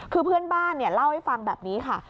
คือเพื่อนบ้านเล่าให้ฟังแบบนี้ค่ะ